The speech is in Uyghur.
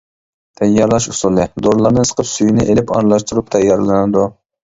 تەييارلاش ئۇسۇلى: دورىلارنى سىقىپ سۈيىنى ئېلىپ، ئارىلاشتۇرۇپ تەييارلىنىدۇ.